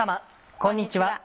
こんにちは。